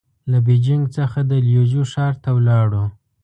له بېجينګ څخه د ليوجو ښار ته ولاړو.